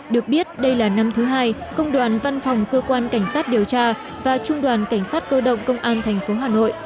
được biết đây là năm thứ hai công đoàn văn phòng cơ quan cảnh sát điều tra và trung đoàn cảnh sát cơ động công an tp hà nội